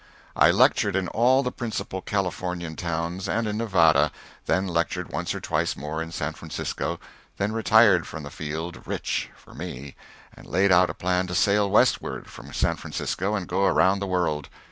I lectured in all the principal Californian towns and in Nevada, then lectured once or twice more in San Francisco, then retired from the field rich for me and laid out a plan to sail Westward from San Francisco, and go around the world.